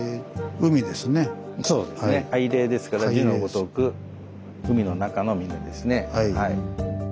「海嶺」ですから字のごとく海の中の嶺ですね。